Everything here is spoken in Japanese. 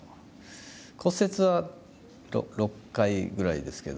骨折は６回ぐらいですけど。